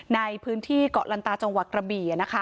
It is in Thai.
ในพื้นที่เกาะลันตาจังหวัดกระบี่